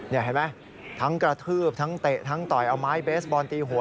เห็นไหมทั้งกระทืบทั้งเตะทั้งต่อยเอาไม้เบสบอลตีหัว